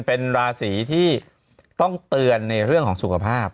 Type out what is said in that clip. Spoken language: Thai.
เป็นราศีที่ต้องเตือนในเรื่องของสุขภาพ